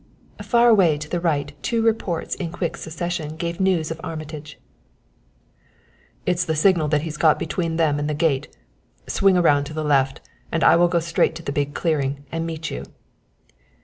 Far away to the right two reports in quick succession gave news of Armitage. "It's the signal that he's got between them and the gate. Swing around to the left and I will go straight to the big clearing, and meet you."